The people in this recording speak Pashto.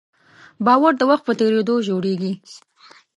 باور د وخت په تېرېدو جوړېږي.